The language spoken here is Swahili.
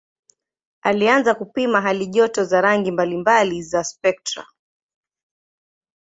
Alianza kupima halijoto za rangi mbalimbali za spektra.